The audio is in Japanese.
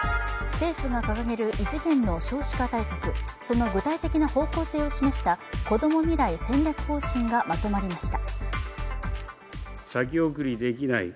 政府が掲げる異次元の少子化対策、その具体的な方向性を示したこども未来戦略方針がまとまりました。